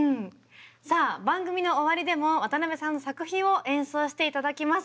さあ番組の終わりでも渡辺さんの作品を演奏して頂きます。